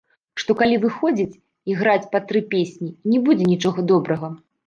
Што калі выходзіць і граць па тры песні, не будзе нічога добрага.